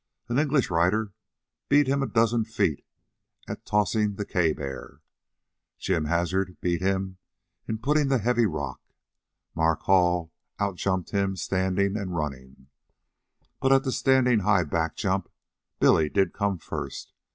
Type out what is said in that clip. An English writer beat him a dozen feet at tossing the caber. Jim Hazard beat him in putting the heavy "rock." Mark Hall out jumped him standing and running. But at the standing high back jump Billy did come first.